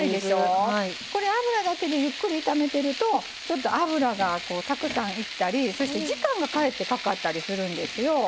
油だけでゆっくり炒めてるとちょっと油がたくさん必要だったりそして時間が、かえってかかったりするんですよ。